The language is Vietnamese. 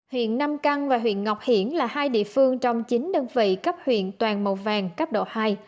huyện nam căng và huyện ngọc hiển là hai địa phương trong chín đơn vị cấp huyện toàn màu vàng cấp độ hai